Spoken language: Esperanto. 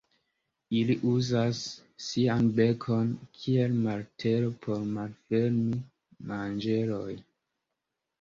Ili uzas sian bekon kiel martelo por malfermi manĝerojn.